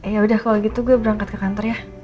yaudah kalo gitu gue berangkat ke kantor ya